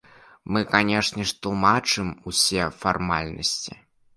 Мы, канешне ж, тлумачым усе фармальнасці.